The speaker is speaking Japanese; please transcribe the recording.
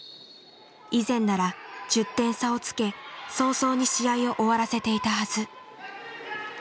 以前なら１０点差をつけ早々に試合を終わらせていたはず。